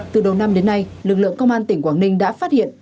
từ đầu năm đến nay lực lượng công an tỉnh quảng ninh đã phát hiện